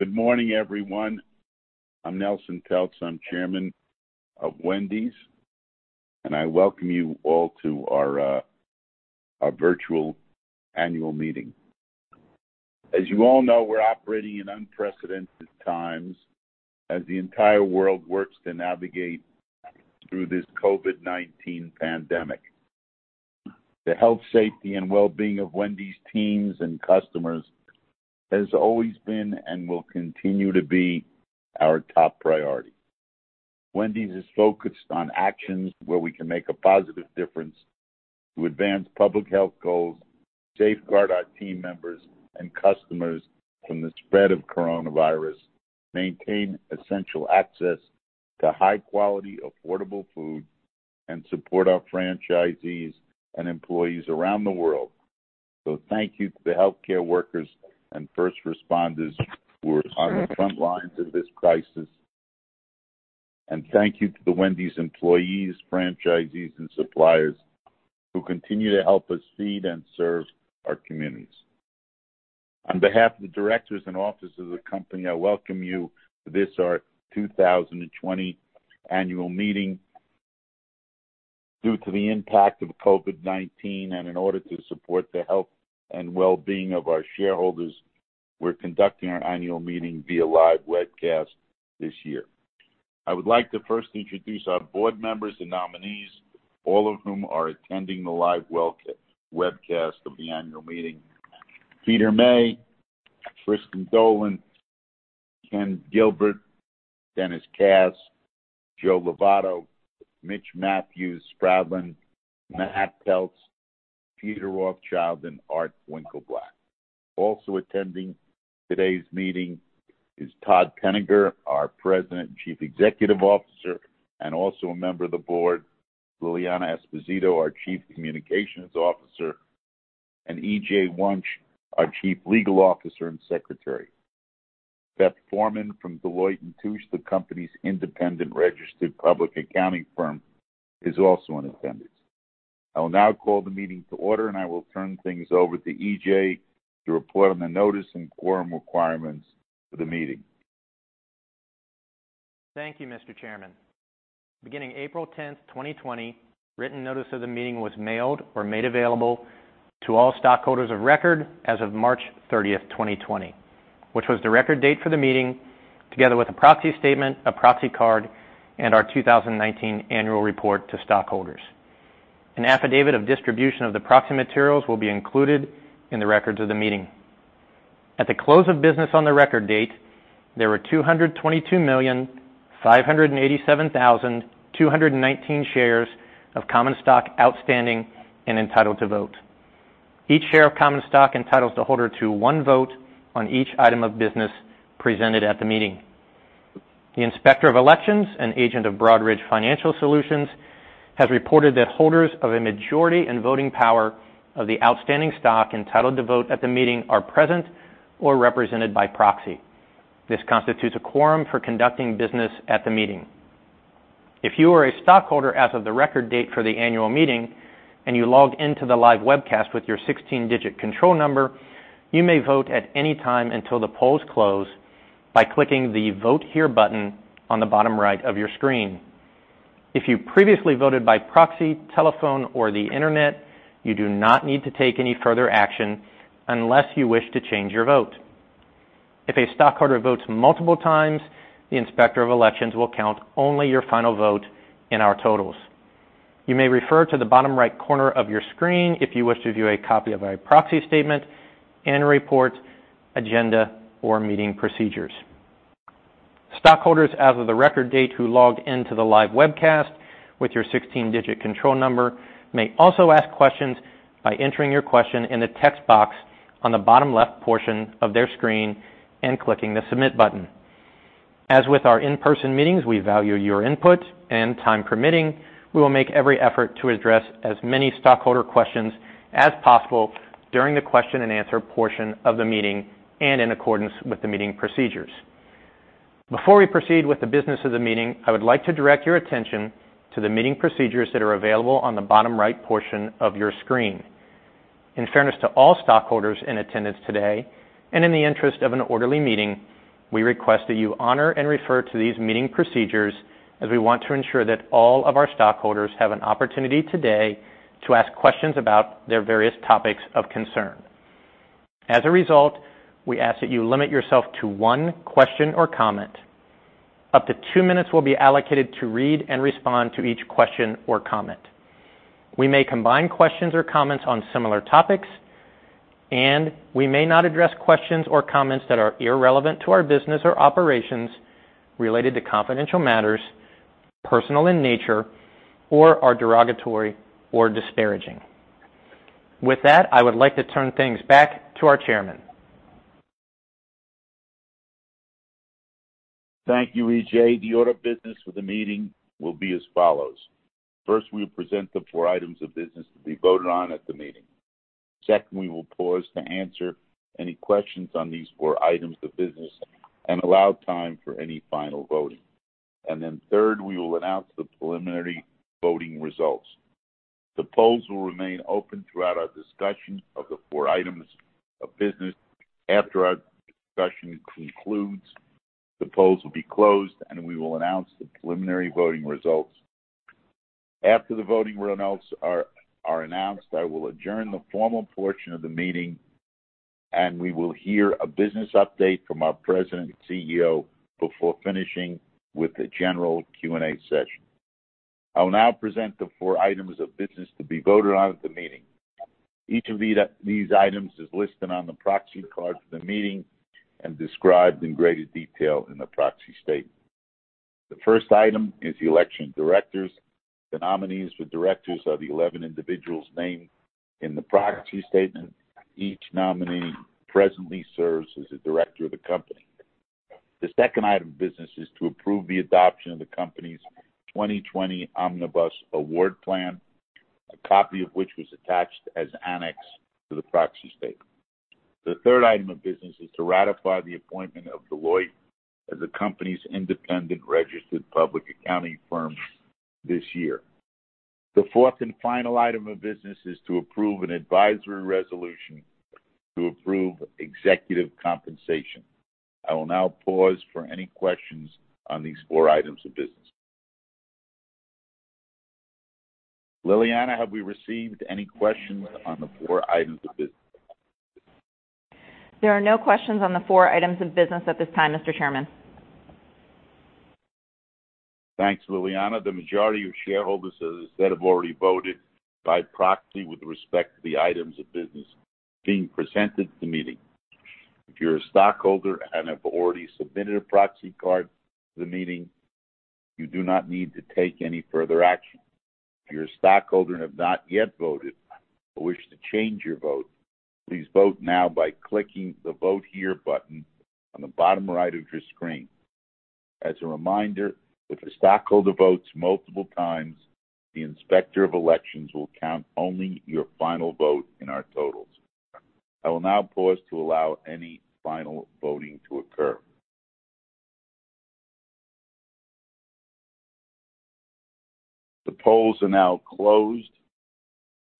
Good morning, everyone. I'm Nelson Peltz, I'm Chairman of Wendy's. I welcome you all to our virtual annual meeting. As you all know, we're operating in unprecedented times as the entire world works to navigate through this COVID-19 pandemic. The health, safety, and wellbeing of Wendy's teams and customers has always been and will continue to be our top priority. Wendy's is focused on actions where we can make a positive difference to advance public health goals, safeguard our team members and customers from the spread of coronavirus, maintain essential access to high quality, affordable food, and support our franchisees and employees around the world. Thank you to the healthcare workers and first responders who are on the front lines of this crisis. Thank you to the Wendy's employees, franchisees, and suppliers who continue to help us feed and serve our communities. On behalf of the directors and officers of the company, I welcome you to this, our 2020 annual meeting. Due to the impact of COVID-19 and in order to support the health and wellbeing of our shareholders, we're conducting our annual meeting via live webcast this year. I would like to first introduce our board members and nominees, all of whom are attending the live webcast of the annual meeting. Peter May, Kristin Dolan, Ken Gilbert, Dennis Kass, Joe Levato, Mich Mathews-Spradlin, Matt Peltz, Peter Rothschild, and Art Winkleblack. Also attending today's meeting is Todd Penegor, our President, Chief Executive Officer, and also a member of the board, Liliana Esposito, our Chief Communications Officer, and EJ Wunsch, our Chief Legal Officer and Secretary. Beth Forman from Deloitte & Touche, the company's independent registered public accounting firm, is also in attendance. I will now call the meeting to order. I will turn things over to EJ to report on the notice and quorum requirements for the meeting. Thank you, Mr. Chairman. Beginning April 10th, 2020, written notice of the meeting was mailed or made available to all stockholders of record as of March 30th, 2020, which was the record date for the meeting, together with a proxy statement, a proxy card, and our 2019 annual report to stockholders. An affidavit of distribution of the proxy materials will be included in the records of the meeting. At the close of business on the record date, there were 222,587,219 shares of common stock outstanding and entitled to vote. Each share of common stock entitles the holder to one vote on each item of business presented at the meeting. The Inspector of Elections, an agent of Broadridge Financial Solutions, has reported that holders of a majority in voting power of the outstanding stock entitled to vote at the meeting are present or represented by proxy. This constitutes a quorum for conducting business at the meeting. If you are a stockholder as of the record date for the annual meeting and you logged into the live webcast with your 16-digit control number, you may vote at any time until the polls close by clicking the Vote Here button on the bottom right of your screen. If you previously voted by proxy, telephone, or the internet, you do not need to take any further action unless you wish to change your vote. If a stockholder votes multiple times, the Inspector of Elections will count only your final vote in our totals. You may refer to the bottom right corner of your screen if you wish to view a copy of a proxy statement, annual report, agenda, or meeting procedures. Stockholders as of the record date who logged into the live webcast with your 16-digit control number may also ask questions by entering your question in the text box on the bottom left portion of their screen and clicking the Submit button. As with our in-person meetings, we value your input, and time permitting, we will make every effort to address as many stockholder questions as possible during the question and answer portion of the meeting and in accordance with the meeting procedures. Before we proceed with the business of the meeting, I would like to direct your attention to the meeting procedures that are available on the bottom right portion of your screen. In fairness to all stockholders in attendance today and in the interest of an orderly meeting, we request that you honor and refer to these meeting procedures as we want to ensure that all of our stockholders have an opportunity today to ask questions about their various topics of concern. As a result, we ask that you limit yourself to one question or comment. Up to two minutes will be allocated to read and respond to each question or comment. We may combine questions or comments on similar topics, and we may not address questions or comments that are irrelevant to our business or operations, related to confidential matters, personal in nature, or are derogatory or disparaging. With that, I would like to turn things back to our chairman. Thank you, EJ. The order of business for the meeting will be as follows. First, we will present the four items of business to be voted on at the meeting. Second, we will pause to answer any questions on these four items of business and allow time for any final voting. Third, we will announce the preliminary voting results. The polls will remain open throughout our discussion of the four items of business. After our discussion concludes, the polls will be closed, and we will announce the preliminary voting results. After the voting results are announced, I will adjourn the formal portion of the meeting, and we will hear a business update from our President and CEO before finishing with the general Q&A session. I will now present the four items of business to be voted on at the meeting. Each of these items is listed on the proxy card for the meeting and described in greater detail in the proxy statement. The first item is the election of directors. The nominees for directors are the 11 individuals named in the proxy statement. Each nominee presently serves as a director of the company. The second item of business is to approve the adoption of the company's 2020 Omnibus Award Plan, a copy of which was attached as an annex to the proxy statement. The third item of business is to ratify the appointment of Deloitte as the company's independent registered public accounting firm this year. The fourth and final item of business is to approve an advisory resolution to approve executive compensation. I will now pause for any questions on these four items of business. Liliana, have we received any questions on the four items of business? There are no questions on the four items of business at this time, Mr. Chairman. Thanks, Liliana. The majority of shareholders as of this date have already voted by proxy with respect to the items of business being presented at the meeting. If you're a stockholder and have already submitted a proxy card for the meeting, you do not need to take any further action. If you're a stockholder and have not yet voted or wish to change your vote, please vote now by clicking the Vote Here button on the bottom right of your screen. As a reminder, if a stockholder votes multiple times, the Inspector of Elections will count only your final vote in our totals. I will now pause to allow any final voting to occur. The polls are now closed.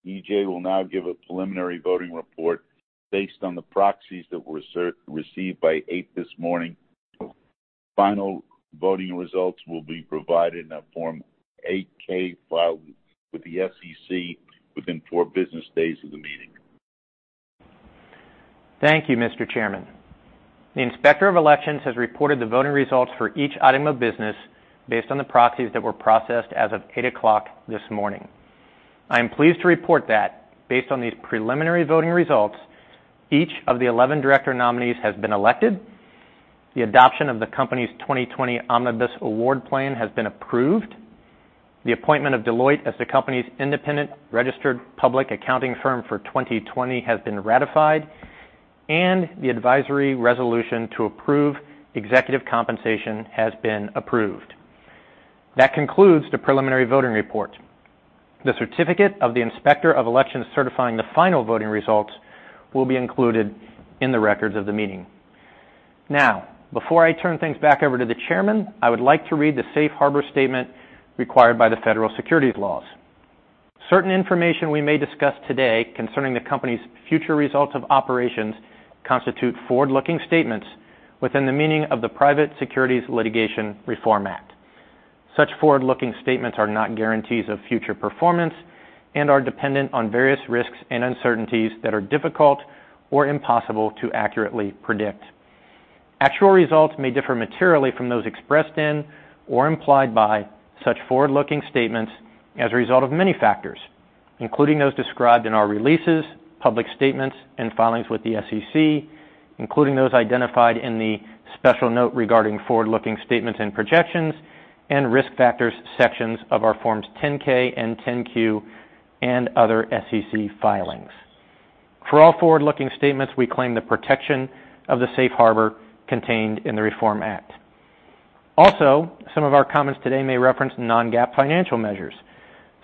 EJ will now give a preliminary voting report based on the proxies that were received by 8:00 this morning. Final voting results will be provided in a Form 8-K filed with the SEC within four business days of the meeting. Thank you, Mr. Chairman. The Inspector of Elections has reported the voting results for each item of business based on the proxies that were processed as of eight o'clock this morning. I am pleased to report that based on these preliminary voting results, each of the 11 director nominees has been elected, the adoption of the company's 2020 Omnibus Award Plan has been approved, the appointment of Deloitte as the company's independent registered public accounting firm for 2020 has been ratified, and the advisory resolution to approve executive compensation has been approved. That concludes the preliminary voting report. The certificate of the Inspector of Elections certifying the final voting results will be included in the records of the meeting. Now, before I turn things back over to the chairman, I would like to read the safe harbor statement required by the Federal Securities laws. Certain information we may discuss today concerning the company's future results of operations constitute forward-looking statements within the meaning of the Private Securities Litigation Reform Act. Such forward-looking statements are not guarantees of future performance and are dependent on various risks and uncertainties that are difficult or impossible to accurately predict. Actual results may differ materially from those expressed in or implied by such forward-looking statements as a result of many factors, including those described in our releases, public statements, and filings with the SEC, including those identified in the "Special Note Regarding Forward-Looking Statements and Projections" and "Risk Factors" sections of our Forms 10-K and 10-Q and other SEC filings. For all forward-looking statements, we claim the protection of the safe harbor contained in the Reform Act. Also, some of our comments today may reference non-GAAP financial measures,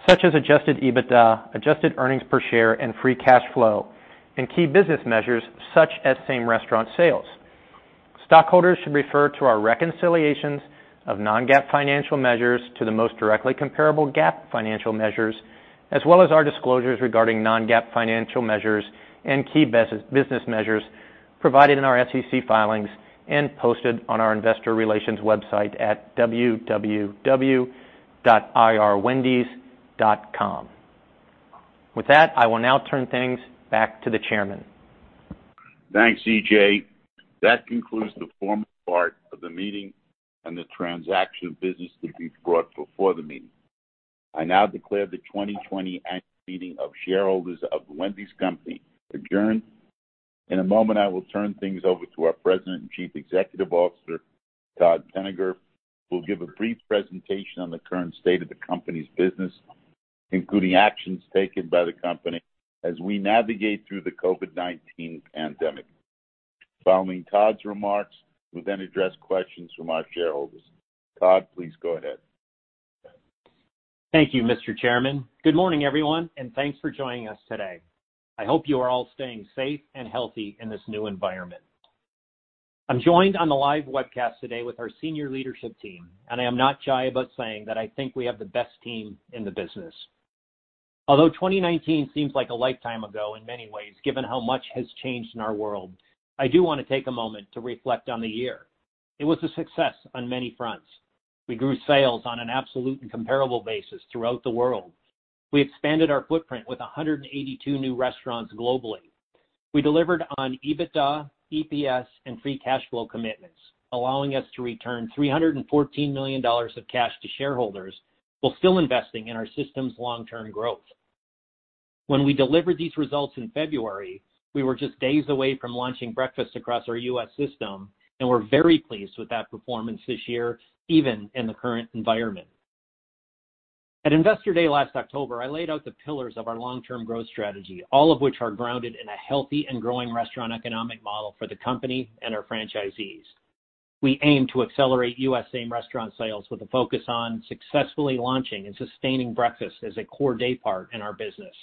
such as adjusted EBITDA, adjusted earnings per share, and free cash flow, and key business measures such as same-restaurant sales. Stockholders should refer to our reconciliations of non-GAAP financial measures to the most directly comparable GAAP financial measures, as well as our disclosures regarding non-GAAP financial measures and key business measures provided in our SEC filings and posted on our investor relations website at www.irwendys.com. With that, I will now turn things back to the chairman. Thanks, EJ. That concludes the formal part of the meeting and the transaction of business to be brought before the meeting. I now declare the 2020 Annual Meeting of Shareholders of The Wendy’s Company adjourned. In a moment, I will turn things over to our President and Chief Executive Officer, Todd Penegor, who will give a brief presentation on the current state of the company's business, including actions taken by the company as we navigate through the COVID-19 pandemic. Following Todd's remarks, we'll then address questions from our shareholders. Todd, please go ahead. Thank you, Mr. Chairman. Good morning, everyone, and thanks for joining us today. I hope you are all staying safe and healthy in this new environment. I'm joined on the live webcast today with our senior leadership team, and I am not shy about saying that I think we have the best team in the business. Although 2019 seems like a lifetime ago in many ways, given how much has changed in our world, I do want to take a moment to reflect on the year. It was a success on many fronts. We grew sales on an absolute and comparable basis throughout the world. We expanded our footprint with 182 new restaurants globally. We delivered on EBITDA, EPS, and free cash flow commitments, allowing us to return $314 million of cash to shareholders while still investing in our system's long-term growth. When we delivered these results in February, we were just days away from launching breakfast across our U.S. system, and we're very pleased with that performance this year, even in the current environment. At Investor Day last October, I laid out the pillars of our long-term growth strategy, all of which are grounded in a healthy and growing restaurant economic model for the company and our franchisees. We aim to accelerate U.S. same-restaurant sales with a focus on successfully launching and sustaining breakfast as a core day part in our business,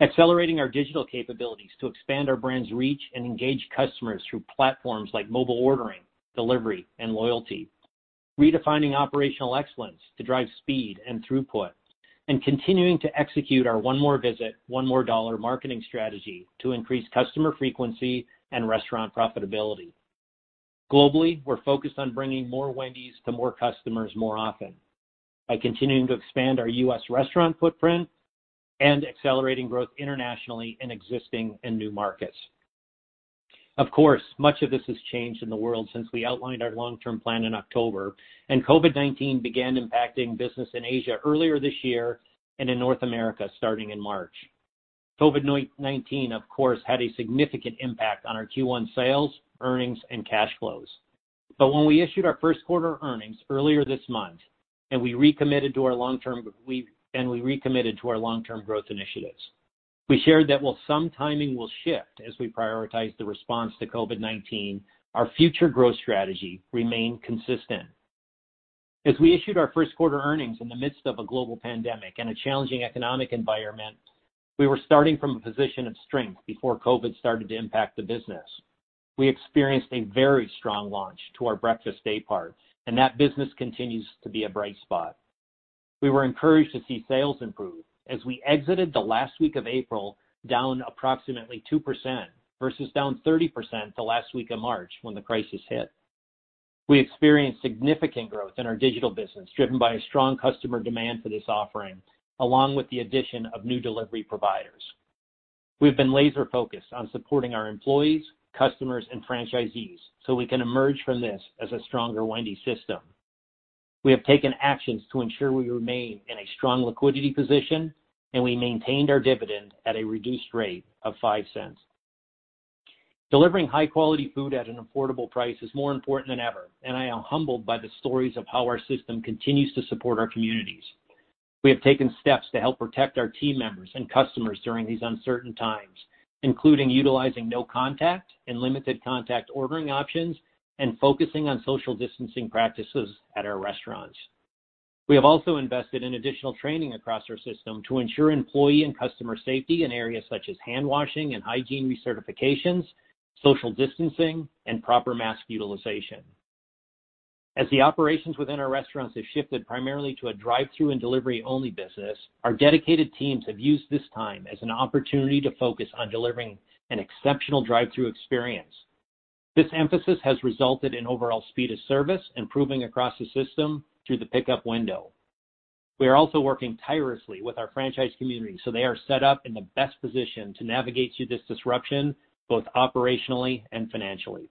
accelerating our digital capabilities to expand our brand's reach and engage customers through platforms like mobile ordering, delivery, and loyalty, redefining operational excellence to drive speed and throughput, and continuing to execute our One More Visit, One More Dollar marketing strategy to increase customer frequency and restaurant profitability. Globally, we're focused on bringing more Wendy's to more customers more often by continuing to expand our U.S. restaurant footprint and accelerating growth internationally in existing and new markets. Of course, much of this has changed in the world since we outlined our long-term plan in October, and COVID-19 began impacting business in Asia earlier this year and in North America starting in March. COVID-19, of course, had a significant impact on our Q1 sales, earnings, and cash flows. When we issued our first quarter earnings earlier this month and we recommitted to our long-term growth initiatives. We shared that while some timing will shift as we prioritize the response to COVID-19, our future growth strategy remained consistent. As we issued our first quarter earnings in the midst of a global pandemic and a challenging economic environment, we were starting from a position of strength before COVID started to impact the business. We experienced a very strong launch to our breakfast daypart, and that business continues to be a bright spot. We were encouraged to see sales improve as we exited the last week of April down approximately 2% versus down 30% the last week of March when the crisis hit. We experienced significant growth in our digital business, driven by a strong customer demand for this offering, along with the addition of new delivery providers. We've been laser focused on supporting our employees, customers, and franchisees so we can emerge from this as a stronger Wendy's system. We have taken actions to ensure we remain in a strong liquidity position, and we maintained our dividend at a reduced rate of $0.05. Delivering high-quality food at an affordable price is more important than ever, and I am humbled by the stories of how our system continues to support our communities. We have taken steps to help protect our team members and customers during these uncertain times, including utilizing no contact and limited contact ordering options and focusing on social distancing practices at our restaurants. We have also invested in additional training across our system to ensure employee and customer safety in areas such as hand washing and hygiene recertifications, social distancing, and proper mask utilization. As the operations within our restaurants have shifted primarily to a drive-through and delivery only business, our dedicated teams have used this time as an opportunity to focus on delivering an exceptional drive-through experience. This emphasis has resulted in overall speed of service improving across the system through the pickup window. We are also working tirelessly with our franchise community so they are set up in the best position to navigate through this disruption, both operationally and financially.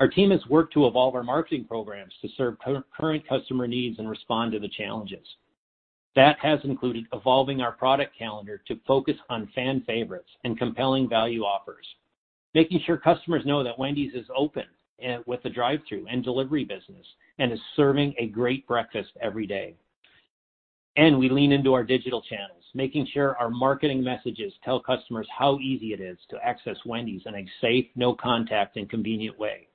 Our team has worked to evolve our marketing programs to serve current customer needs and respond to the challenges. That has included evolving our product calendar to focus on fan favorites and compelling value offers, making sure customers know that Wendy's is open with the drive-through and delivery business and is serving a great breakfast every day. We lean into our digital channels, making sure our marketing messages tell customers how easy it is to access Wendy's in a safe, no contact, and convenient way.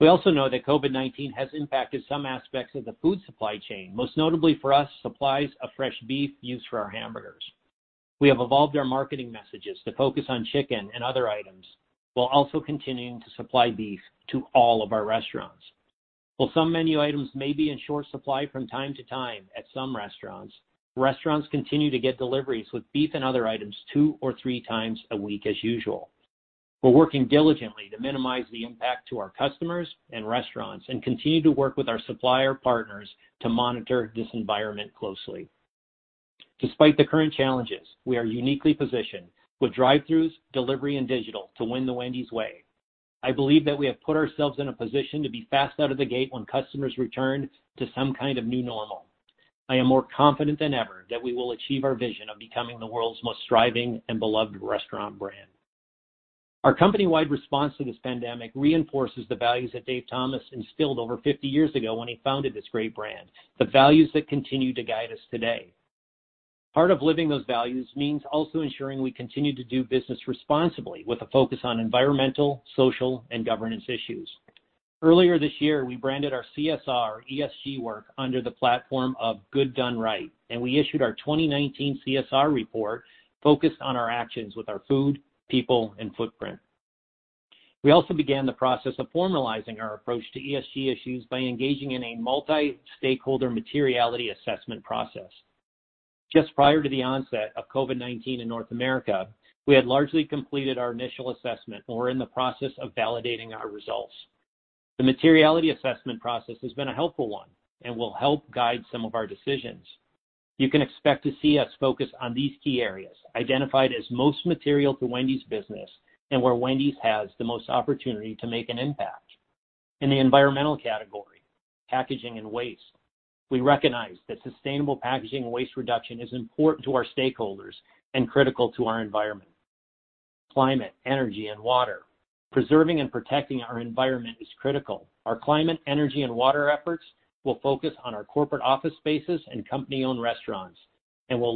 We also know that COVID-19 has impacted some aspects of the food supply chain, most notably for us, supplies of fresh beef used for our hamburgers. We have evolved our marketing messages to focus on chicken and other items, while also continuing to supply beef to all of our restaurants. While some menu items may be in short supply from time to time at some restaurants continue to get deliveries with beef and other items two or three times a week as usual. We're working diligently to minimize the impact to our customers and restaurants and continue to work with our supplier partners to monitor this environment closely. Despite the current challenges, we are uniquely positioned with drive-throughs, delivery, and digital to win the Wendy's way. I believe that we have put ourselves in a position to be fast out of the gate when customers return to some kind of new normal. I am more confident than ever that we will achieve our vision of becoming the world's most thriving and beloved restaurant brand. Our company-wide response to this pandemic reinforces the values that Dave Thomas instilled over 50 years ago when he founded this great brand, the values that continue to guide us today. Part of living those values means also ensuring we continue to do business responsibly with a focus on environmental, social, and governance issues. Earlier this year, we branded our CSR ESG work under the platform of Good Done Right, and we issued our 2019 CSR report focused on our actions with our food, people, and footprint. We also began the process of formalizing our approach to ESG issues by engaging in a multi-stakeholder materiality assessment process. Just prior to the onset of COVID-19 in North America, we had largely completed our initial assessment and were in the process of validating our results. The materiality assessment process has been a helpful one and will help guide some of our decisions. You can expect to see us focus on these key areas identified as most material to Wendy's business and where Wendy's has the most opportunity to make an impact. In the environmental category, packaging and waste. We recognize that sustainable packaging and waste reduction is important to our stakeholders and critical to our environment. Climate, energy, and water. Preserving and protecting our environment is critical. We'll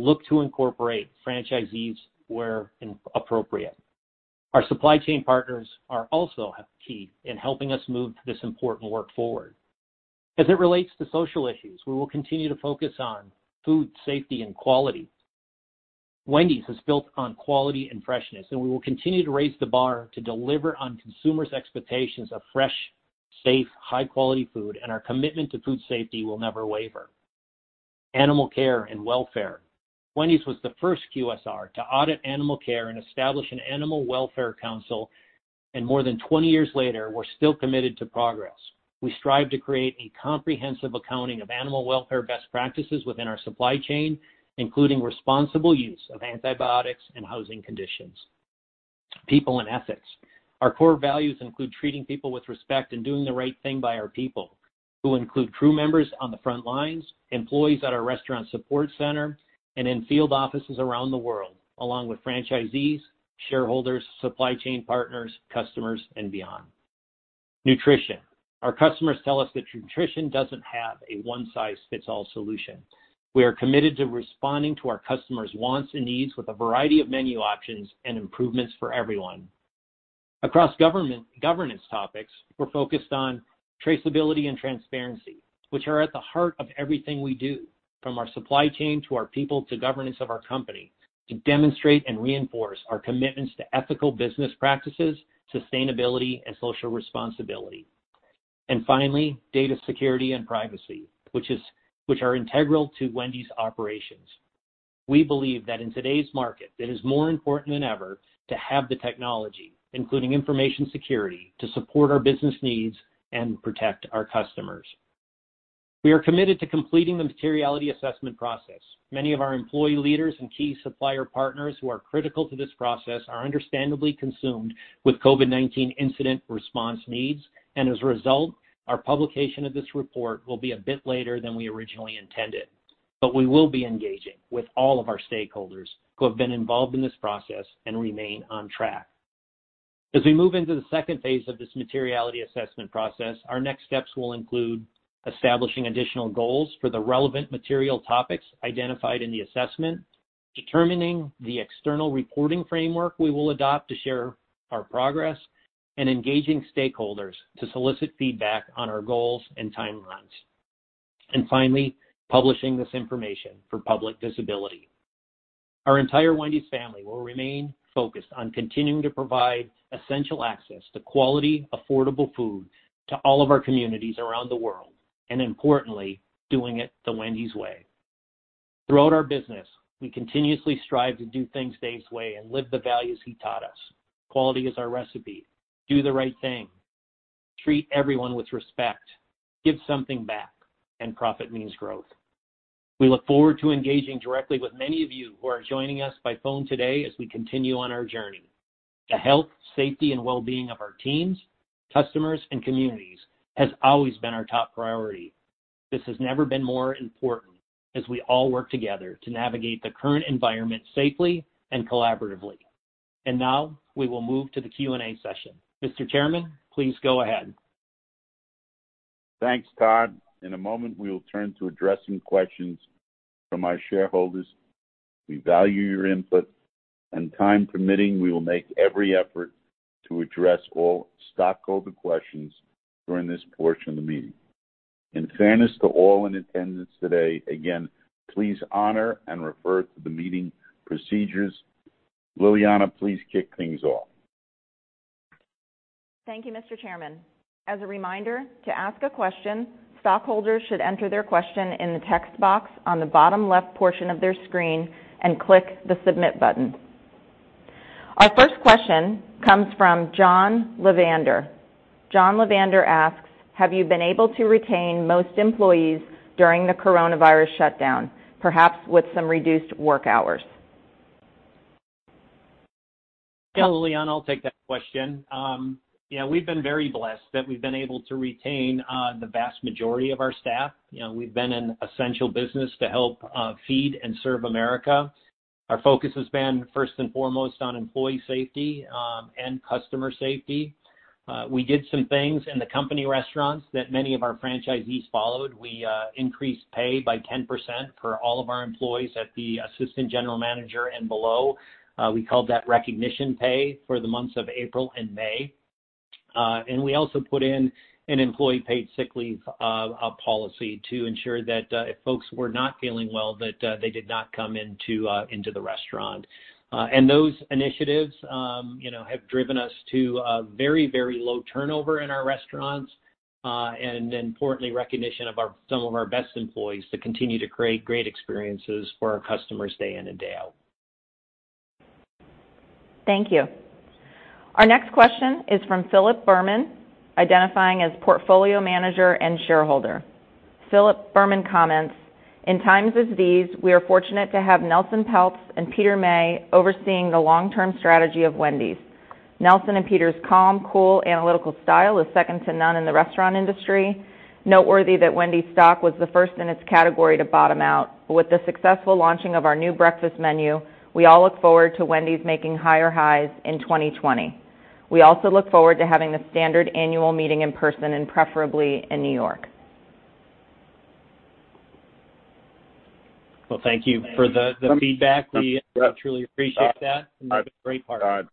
look to incorporate franchisees where appropriate. Our supply chain partners are also key in helping us move this important work forward. As it relates to social issues, we will continue to focus on food safety and quality. Wendy's is built on quality and freshness. We will continue to raise the bar to deliver on consumers' expectations of fresh, safe, high-quality food. Our commitment to food safety will never waver. Animal care and welfare. Wendy's was the first QSR to audit animal care and establish an animal welfare council, and more than 20 years later, we're still committed to progress. We strive to create a comprehensive accounting of animal welfare best practices within our supply chain, including responsible use of antibiotics and housing conditions. People and ethics. Our core values include treating people with respect and doing the right thing by our people, who include crew members on the front lines, employees at our restaurant support center, and in field offices around the world, along with franchisees, shareholders, supply chain partners, customers, and beyond. Nutrition. Our customers tell us that nutrition doesn't have a one-size-fits-all solution. We are committed to responding to our customers' wants and needs with a variety of menu options and improvements for everyone. Across governance topics, we're focused on traceability and transparency, which are at the heart of everything we do, from our supply chain to our people to governance of our company, to demonstrate and reinforce our commitments to ethical business practices, sustainability, and social responsibility. Finally, data security and privacy, which are integral to Wendy's operations. We believe that in today's market, it is more important than ever to have the technology, including information security, to support our business needs and protect our customers. We are committed to completing the materiality assessment process. Many of our employee leaders and key supplier partners who are critical to this process are understandably consumed with COVID-19 incident response needs. As a result, our publication of this report will be a bit later than we originally intended. We will be engaging with all of our stakeholders who have been involved in this process and remain on track. As we move into the second phase of this materiality assessment process, our next steps will include establishing additional goals for the relevant material topics identified in the assessment, determining the external reporting framework we will adopt to share our progress, and engaging stakeholders to solicit feedback on our goals and timelines. Finally, publishing this information for public visibility. Our entire Wendy's family will remain focused on continuing to provide essential access to quality, affordable food to all of our communities around the world, and importantly, doing it the Wendy's way. Throughout our business, we continuously strive to do things Dave's way and live the values he taught us. Quality is our recipe. Do the right thing. Treat everyone with respect. Give something back, and profit means growth. We look forward to engaging directly with many of you who are joining us by phone today as we continue on our journey. The health, safety, and wellbeing of our teams, customers, and communities has always been our top priority. This has never been more important as we all work together to navigate the current environment safely and collaboratively. Now, we will move to the Q&A session. Mr. Chairman, please go ahead. Thanks, Todd. In a moment, we will turn to addressing questions from our shareholders. We value your input, and time permitting, we will make every effort to address all stockholder questions during this portion of the meeting. In fairness to all in attendance today, again, please honor and refer to the meeting procedures. Liliana, please kick things off. Thank you, Mr. Chairman. As a reminder, to ask a question, stockholders should enter their question in the text box on the bottom left portion of their screen and click the submit button. Our first question comes from John Levander. John Levander asks, "Have you been able to retain most employees during the coronavirus shutdown, perhaps with some reduced work hours? Liliana, I'll take that question. We've been very blessed that we've been able to retain the vast majority of our staff. We've been an essential business to help feed and serve America. Our focus has been first and foremost on employee safety and customer safety. We did some things in the company restaurants that many of our franchisees followed. We increased pay by 10% for all of our employees at the assistant general manager and below. We called that recognition pay for the months of April and May. We also put in an employee paid sick leave policy to ensure that if folks were not feeling well, that they did not come into the restaurant. Those initiatives have driven us to a very, very low turnover in our restaurants, and importantly, recognition of some of our best employees to continue to create great experiences for our customers day in and day out. Thank you. Our next question is from Philip Berman, identifying as portfolio manager and shareholder. Philip Berman comments, "In times as these, we are fortunate to have Nelson Peltz and Peter May overseeing the long-term strategy of Wendy's. Nelson and Peter's calm, cool, analytical style is second to none in the restaurant industry. Noteworthy that Wendy's stock was the first in its category to bottom out. With the successful launching of our new breakfast menu, we all look forward to Wendy's making higher highs in 2020. We also look forward to having the standard annual meeting in person and preferably in New York. Well, thank you for the feedback. We truly appreciate that. You have a great heart.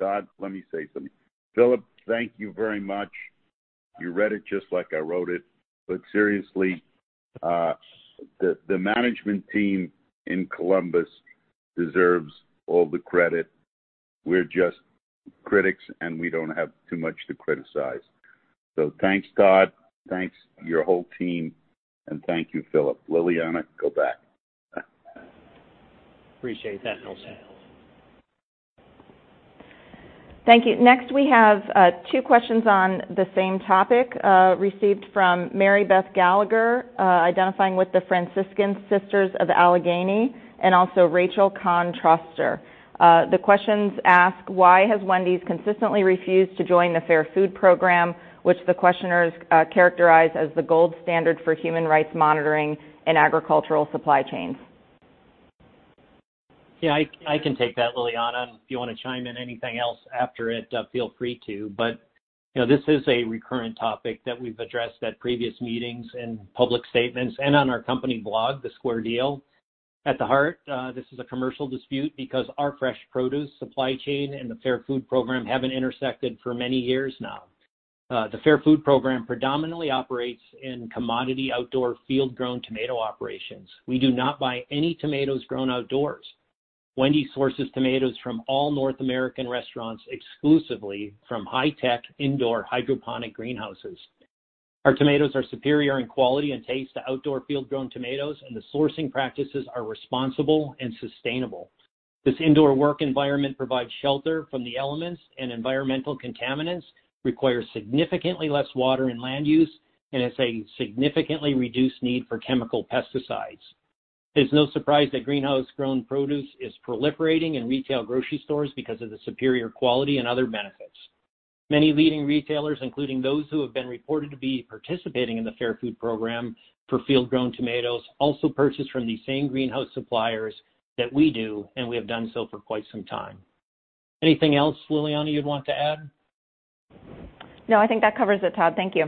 Todd, let me say something. Philip, thank you very much. You read it just like I wrote it. Seriously, the management team in Columbus deserves all the credit. We're just critics, and we don't have too much to criticize. Thanks, Todd. Thanks, your whole team, and thank you, Philip. Liliana, go back. Appreciate that, Nelson. Thank you. Next we have two questions on the same topic, received from Mary Beth Gallagher, identifying with the Franciscan Sisters of Allegany, and also Rachel Kahn-Troster. The questions ask, why has Wendy's consistently refused to join the Fair Food Program, which the questioners characterize as the gold standard for human rights monitoring in agricultural supply chains. Yeah, I can take that, Liliana. If you want to chime in anything else after it, feel free to. This is a recurrent topic that we've addressed at previous meetings and public statements and on our company blog, The Square Deal. At the heart, this is a commercial dispute because our fresh produce supply chain and the Fair Food Program haven't intersected for many years now. The Fair Food Program predominantly operates in commodity outdoor field grown tomato operations. We do not buy any tomatoes grown outdoors. Wendy's sources tomatoes from all North American restaurants, exclusively from high-tech indoor hydroponic greenhouses. Our tomatoes are superior in quality and taste to outdoor field grown tomatoes, and the sourcing practices are responsible and sustainable. This indoor work environment provides shelter from the elements and environmental contaminants, requires significantly less water and land use, and has a significantly reduced need for chemical pesticides. It's no surprise that greenhouse-grown produce is proliferating in retail grocery stores because of the superior quality and other benefits. Many leading retailers, including those who have been reported to be participating in the Fair Food Program for field grown tomatoes, also purchase from the same greenhouse suppliers that we do, and we have done so for quite some time. Anything else, Liliana, you'd want to add? No, I think that covers it, Todd. Thank you.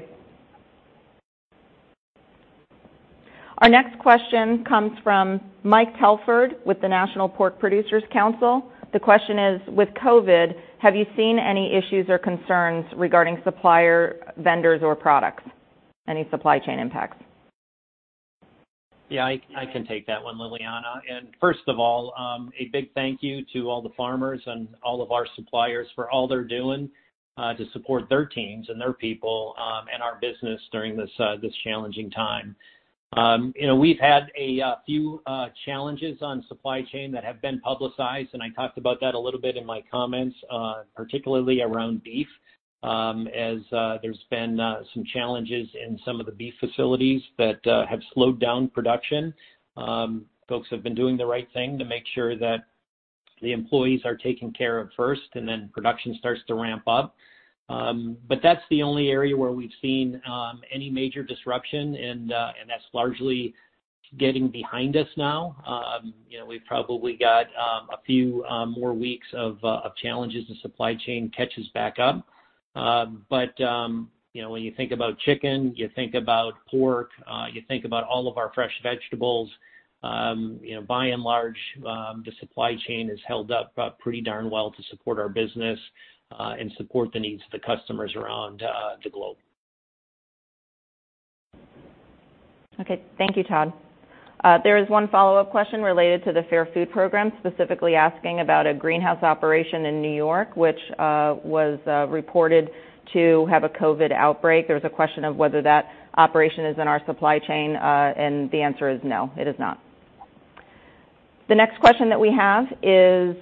Our next question comes from Mike Telford with the National Pork Producers Council. The question is, with COVID, have you seen any issues or concerns regarding supplier vendors or products? Any supply chain impacts. Yeah, I can take that one, Liliana. First of all, a big thank you to all the farmers and all of our suppliers for all they're doing to support their teams and their people, and our business during this challenging time. We've had a few challenges on supply chain that have been publicized. I talked about that a little bit in my comments, particularly around beef, as there's been some challenges in some of the beef facilities that have slowed down production. Folks have been doing the right thing to make sure that the employees are taken care of first. Then production starts to ramp up. That's the only area where we've seen any major disruption. That's largely getting behind us now. We've probably got a few more weeks of challenges as supply chain catches back up. When you think about chicken, you think about pork, you think about all of our fresh vegetables. By and large, the supply chain has held up pretty darn well to support our business, and support the needs of the customers around the globe. Okay. Thank you, Todd. There is one follow-up question related to the Fair Food Program, specifically asking about a greenhouse operation in New York, which was reported to have a COVID outbreak. There was a question of whether that operation is in our supply chain. The answer is no, it is not. The next question that we have is,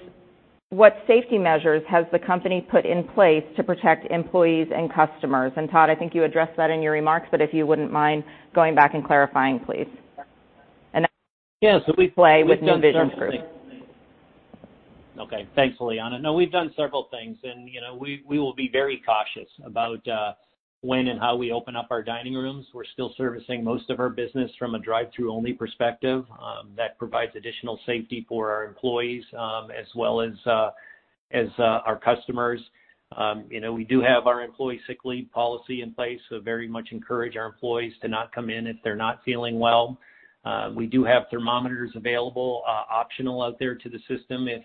what safety measures has the company put in place to protect employees and customers? Todd, I think you addressed that in your remarks, if you wouldn't mind going back and clarifying, please. That's with New Vision Group. Okay. Thanks, Liliana. No, we've done several things, and we will be very cautious about when and how we open up our dining rooms. We're still servicing most of our business from a drive-through only perspective. That provides additional safety for our employees, as well as our customers. We do have our employee sick leave policy in place, so very much encourage our employees to not come in if they're not feeling well. We do have thermometers available, optional out there to the system if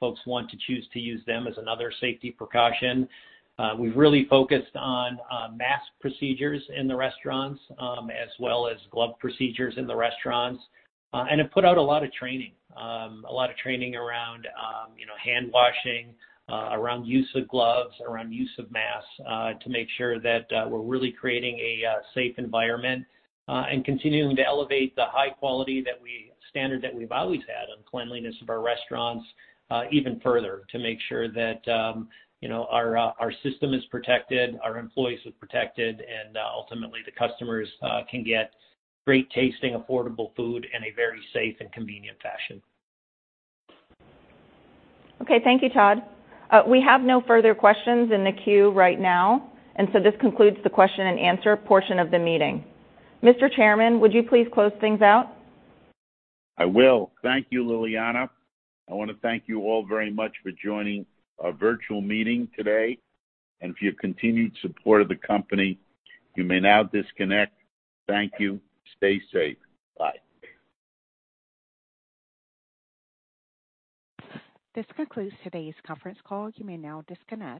folks want to choose to use them as another safety precaution. We've really focused on mask procedures in the restaurants, as well as glove procedures in the restaurants. Have put out a lot of training. A lot of training around hand washing, around use of gloves, around use of masks, to make sure that we're really creating a safe environment, and continuing to elevate the high quality standard that we've always had on cleanliness of our restaurants even further to make sure that our system is protected, our employees are protected, and ultimately, the customers can get great tasting, affordable food in a very safe and convenient fashion. Okay. Thank you, Todd. We have no further questions in the queue right now. This concludes the question and answer portion of the meeting. Mr. Chairman, would you please close things out? I will. Thank you, Liliana. I want to thank you all very much for joining our virtual meeting today, for your continued support of the Company. You may now disconnect. Thank you. Stay safe. Bye. This concludes today's conference call. You may now disconnect.